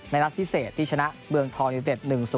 ในรัฐพิเศษที่ชนะเบืองทอง